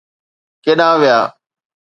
ڪيڏانهن ويا؟